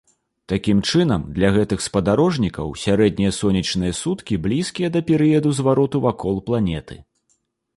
Такім чынам, для гэтых спадарожнікаў сярэднія сонечныя суткі блізкія да перыяду звароту вакол планеты.